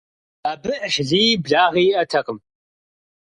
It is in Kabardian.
Абы Ӏыхьлыи благъи иӀэтэкъым.